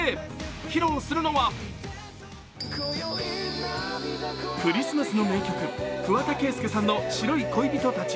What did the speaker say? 披露するのはクリスマスの名曲、桑田佳祐さんの「白い恋人たち」。